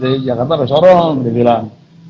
dari jakarta ke sorong dia bilang